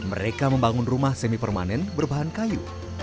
mereka membangun rumah semi permanen berbahan kayu